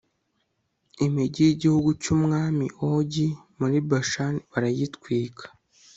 imigi y'igihugu cy'umwami ogi muri bashani barayitwika